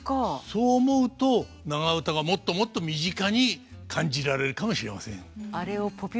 そう思うと長唄がもっともっと身近に感じられるかもしれません。